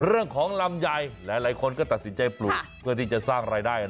ลำไยหลายคนก็ตัดสินใจปลูกเพื่อที่จะสร้างรายได้